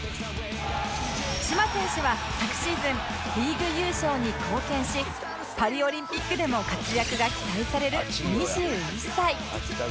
チマ選手は昨シーズンリーグ優勝に貢献しパリオリンピックでも活躍が期待される２１歳